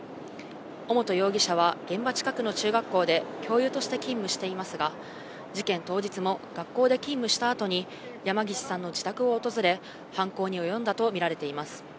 尾本容疑者は現場近くの中学校で教諭として勤務していますが、事件当日も学校で勤務したあとに、山岸さんの自宅を訪れ、犯行に及んだと見られています。